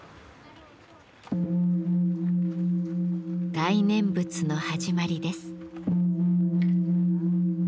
大念仏の始まりです。